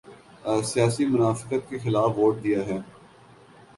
سیاسی منافقت کے خلاف ووٹ دیا ہے۔